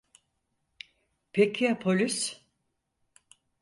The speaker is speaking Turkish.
Peki ya polis?